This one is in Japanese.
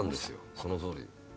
そのとおり。